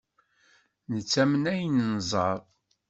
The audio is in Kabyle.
Nettamen ayen nẓerr.